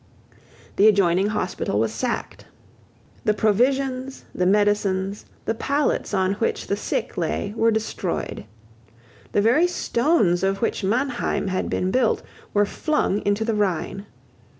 The adjoining hospital was sacked. The provisions, the medicines, the pallets on which the sick lay were destroyed. The very stones of which Mannheim had been built were flung into the Rhine.